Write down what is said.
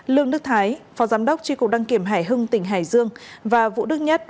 lương đức thái phó giám đốc tri cục đăng kiểm hải hưng tỉnh hải dương và vũ đức nhất